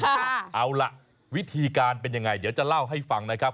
เอาล่ะวิธีการเป็นยังไงเดี๋ยวจะเล่าให้ฟังนะครับ